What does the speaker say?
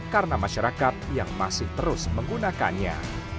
karena masyarakat yang masih terus menggunakannya